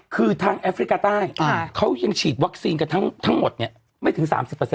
คือทางแอฟริกาใต้เขายังฉีดวัคซีนกันทั้งหมดไม่ถึง๓๐